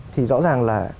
thì rõ ràng là